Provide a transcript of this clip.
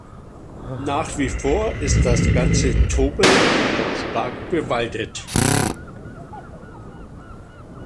Nach wie vor ist das ganze Tobel jedoch stark bewaldet.